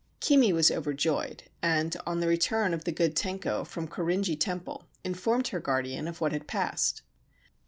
Kimi was overjoyed, and on the return of the good Tenko from Korinji Temple informed her guardian of what had passed.